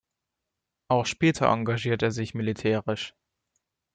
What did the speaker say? Auch später engagierte er sich militärisch.